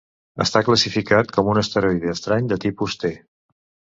Està classificat com un asteroide estrany de tipus T.